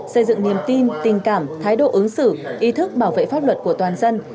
xây dựng niềm tin tình cảm thái độ ứng xử ý thức bảo vệ pháp luật của toàn dân